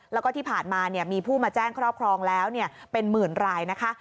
แล้วก็ที่ผ่านมามีผู้มาแจ้งครอบครองแล้วเป็นหมื่นรายนะคะ